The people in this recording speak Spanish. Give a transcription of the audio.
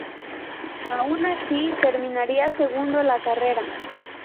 Aun así, terminaría segundo la carrera.